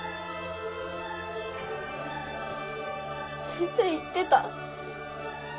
先生言ってた。